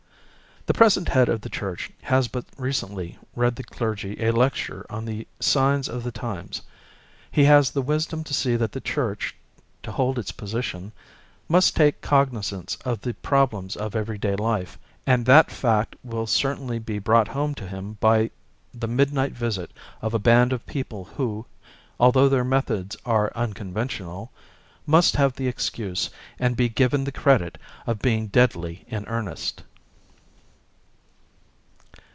The present head of the church has but recently read the clergy a lecture on the signs of the times. He has the wis dom to see that the church, to hold its position, must take cognizance of the problems of every day life, and that fact will certainly be brought home to him b} the midnight visit of a band of people who, although their methods are un conventional, must have the excuse and be given the credit of being deadly in earnest.